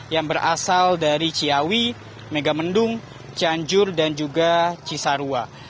yang berasal dari ciawi megamendung cianjur dan juga cisarua